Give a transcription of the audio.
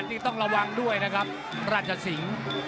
นี่ต้องระวังด้วยนะครับราชสิงศ์